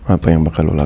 apa yang bakal lu lakukan